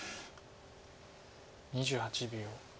２８秒。